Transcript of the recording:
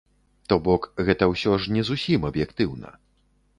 То бок, гэта ўсё ж не зусім аб'ектыўна.